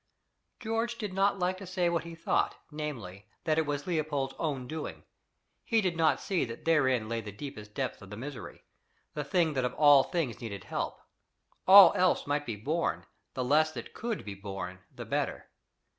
George did not like to say what he thought, namely, that it was Leopold's own doing. He did not see that therein lay the deepest depth of the misery the thing that of all things needed help: all else might be borne; the less that COULD be borne the better.